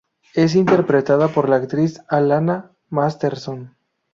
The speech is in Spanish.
Es interpretada por la actriz Alanna Masterson.